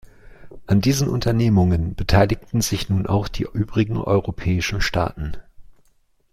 An diesen Unternehmungen beteiligten sich nun auch die übrigen europäischen Staaten.